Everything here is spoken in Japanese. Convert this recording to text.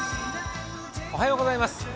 おはようございます。